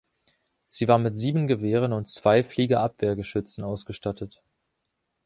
Sie war mit sieben Gewehren und zwei Fliegerabwehrgeschützen ausgestattet.